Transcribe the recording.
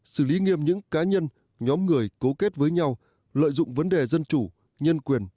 xử lý nghiêm những cá nhân nhóm người cấu kết với nhau lợi dụng vấn đề dân chủ nhân quyền